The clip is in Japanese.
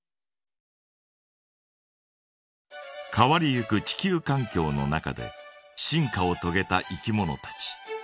変わりゆく地球かん境の中で進化をとげたいきものたち。